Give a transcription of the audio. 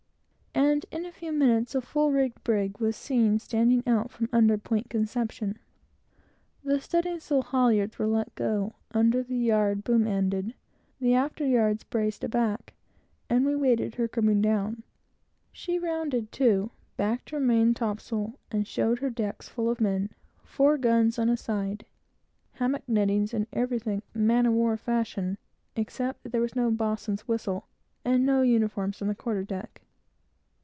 and in a few minutes a full rigged brig was seen standing out from under Point Conception. The studding sail halyards were let go, and the yards boom ended, the after yards braced aback, and we waited her coming down. She rounded to, backed her main topsail, and showed her decks full of men, four guns on a side, hammock nettings, and everything man of war fashion, except that there was no boatswain's whistle, and no uniforms on the quarter deck.